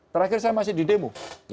terakhir saya masih di demo